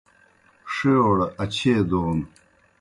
ݜِیؤڑ اچھیئے دون